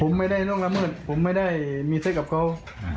ผมไม่ได้ลูกละเมืองผมไม่ได้มีศิษย์กับเขา